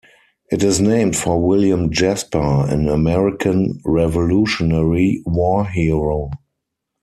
It is named for William Jasper, an American Revolutionary War hero.